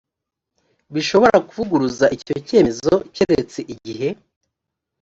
bishobora kuvuguruza icyo cyemezo keretse igihe